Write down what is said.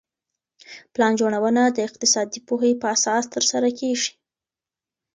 پلان جوړونه د اقتصادي پوهي په اساس ترسره کيږي.